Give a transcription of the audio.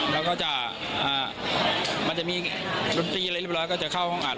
แล้วก็จะมันจะมีดนตรีอะไรเรียบร้อยก็จะเข้าห้องอัด